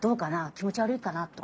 気持ち悪いかな？とか。